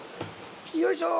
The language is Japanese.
よいしょ！